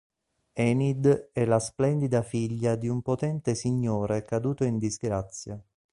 Enid è la splendida figlia di un potente signore caduto in disgrazia.